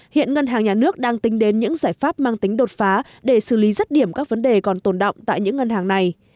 hiện ngân hàng nhà nước đang tính đến những giải pháp mang tính đột phá để xử lý rứt điểm các vấn đề còn tồn động tại những ngân hàng này